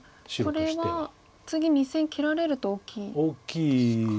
これは次２線切られると大きいですか。